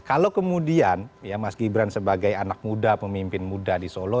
kalau kemudian ya mas gibran sebagai anak muda pemimpin muda di solo